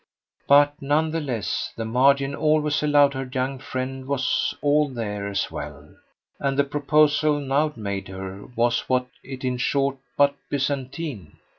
But, none the less, the margin always allowed her young friend was all there as well; and the proposal now made her what was it in short but Byzantine?